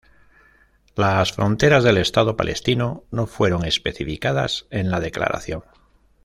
Las fronteras del Estado palestino no fueron especificadas en la declaración.